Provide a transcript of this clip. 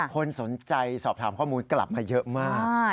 คนสนใจสอบถามข้อมูลกลับมาเยอะมาก